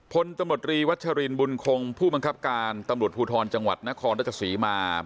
พลตำรวจรีวัชรินบุญคงผู้บังคับการตำรวจภูทรจังหวัดนครราชศรีมา